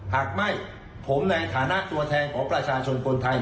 หากไม่ผมในฐานะตัวแทนของประชาชนคนไทย